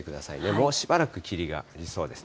もうしばらく霧がありそうです。